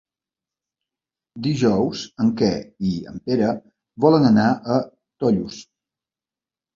Dijous en Quer i en Pere volen anar a Tollos.